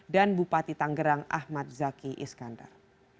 dan bupati tanggerang ahmad zaki iskandar